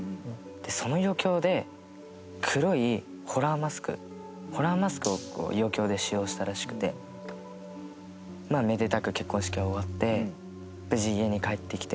その余興で黒いホラーマスクホラーマスクを余興で使用したらしくてめでたく結婚式は終わって無事家に帰ってきて。